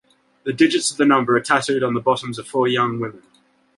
The digits of the number are tattooed on the bottoms of four young women.